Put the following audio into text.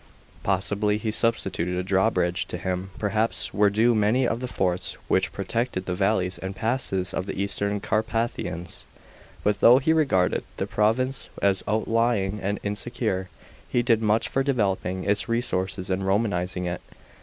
Possibly he substituted a drawbridge. To him, perhaps, were due many of the forts which protected the valleys and passes of the eastern Carpathians. But though he regarded the province as out lying and insecure, he did much for developing its resources and Romanising it.